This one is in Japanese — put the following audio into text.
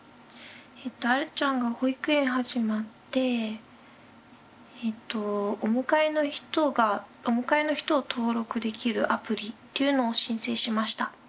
あるちゃんが保育園始まってお迎えの人を登録できるアプリっていうのを申請しました。